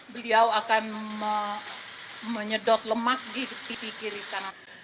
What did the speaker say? beliau akan menyedot lemak di pipi kiri kanan